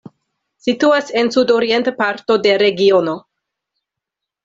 Situas en sudorienta parto de regiono.